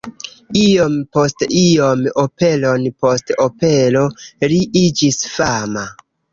Iom post iom, operon post opero, li iĝis fama.